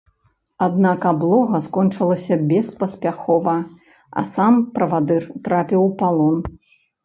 Аднак аблога скончылася беспаспяхова, а сам правадыр трапіў у палон.